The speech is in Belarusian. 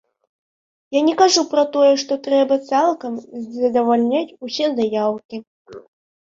Я не кажу пра тое, што трэба цалкам задавальняць усе заяўкі.